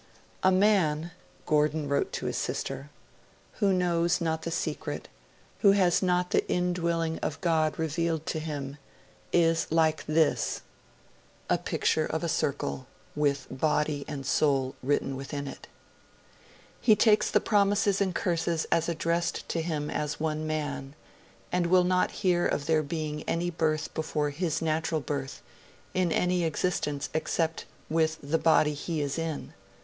'A man,' Gordon wrote to his sister, 'who knows not the secret, who has not the in dwelling of God revealed to him, is like this [picture of a circle with Body and Soul written within it]. He takes the promises and curses as addressed to him as one man, and will not hear of there being any birth before his natural birth, in any existence except with the body he is in.